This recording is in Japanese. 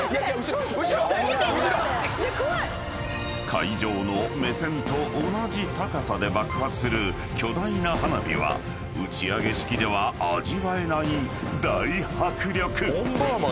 ［海上の目線と同じ高さで爆発する巨大な花火は打ち上げ式では味わえない大迫力！］